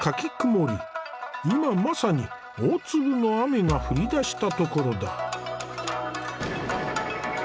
今まさに大粒の雨が降りだしたところだ。